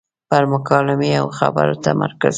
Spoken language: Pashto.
پر مکالمې او خبرو تمرکز.